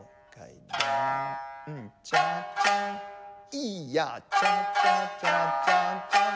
イヤチャチャチャチャチャン。